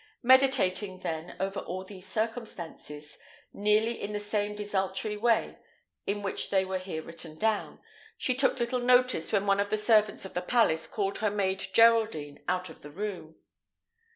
Meditating, then, over all these circumstances, nearly in the same desultory way in which they are here written down, she took little notice when one of the servants of the palace called her maid Geraldine out of the room.